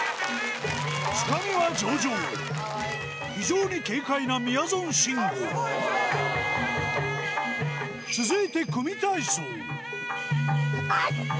つかみは上々非常に軽快なみやぞんシンゴ続いて組み体操